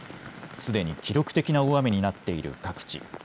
すでに記録的な大雨になっている各地。